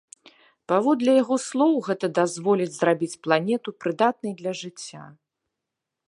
Паводле яго слоў, гэта дазволіць зрабіць планету прыдатнай для жыцця.